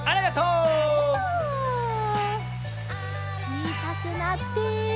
ちいさくなって。